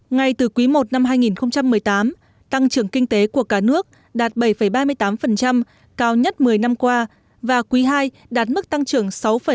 ngay từ quý i năm hai nghìn một mươi tám tăng trưởng kinh tế của cả nước đạt bảy ba mươi tám cao nhất một mươi năm qua và quý ii đạt mức tăng trưởng sáu bảy